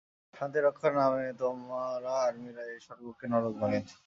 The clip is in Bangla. শান্তিরক্ষার নামে, তোমরা আর্মিরা এই স্বর্গকে নরক বানিয়েছ।